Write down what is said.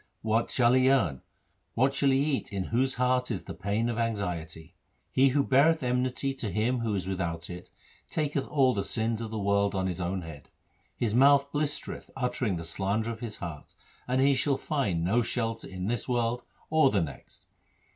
What shall he earn, what shall he eat in whose heart is the pain of anxiety ? He who beareth enmity to him who is without it, taketh all the sins of the world on his own head. His mouth blistereth uttering the slander of his heart ; and he shall find no shelter in this world or the next.